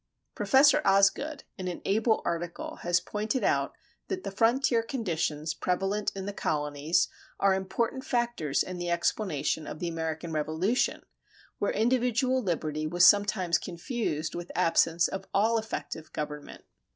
Prof. Osgood, in an able article,[30:1] has pointed out that the frontier conditions prevalent in the colonies are important factors in the explanation of the American Revolution, where individual liberty was sometimes confused with absence of all effective government.